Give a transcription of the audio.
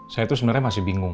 saya tuh sebenernya masih bingung